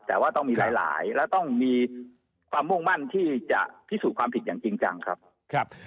แต่ว่าต้องมีหลายหลายและต้องมีความมุ่งมั่นที่จะพิสูจน์ความผิดอย่างจริงจังครับ